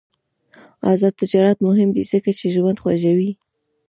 آزاد تجارت مهم دی ځکه چې ژوند خوږوي.